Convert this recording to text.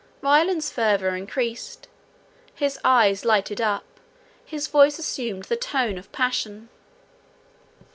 Ryland's fervour increased—his eyes lighted up—his voice assumed the tone of passion.